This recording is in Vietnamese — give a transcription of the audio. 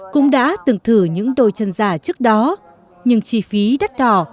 cũng đã từng thử những đôi chân giả trước đó nhưng chi phí đắt đỏ